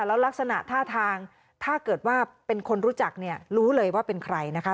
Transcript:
แล้วลักษณะท่าทางถ้าเกิดว่าเป็นคนรู้จักเนี่ยรู้เลยว่าเป็นใครนะคะ